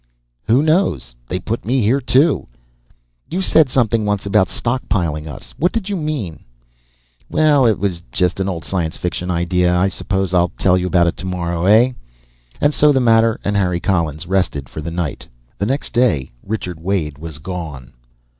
"Who knows? They put me here, too." "You said something once, about stockpiling us. What did you mean?" "Well, it was just an old science fiction idea, I suppose. I'll tell you about it tomorrow, eh?" And so the matter and Harry Collins rested for the night. The next day Richard Wade was gone.